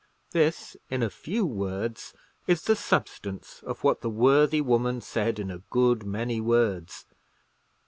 This, in a few words, is the substance of what the worthy woman said in a good many words.